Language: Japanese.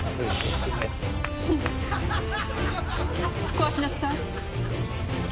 壊しなさい。